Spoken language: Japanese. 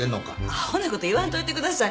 アホなこと言わんといてください。